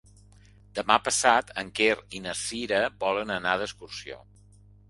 Demà passat en Quer i na Cira volen anar d'excursió.